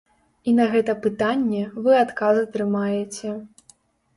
І на гэта пытанне вы адказ атрымаеце.